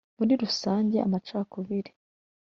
Muri rusange amacakubiri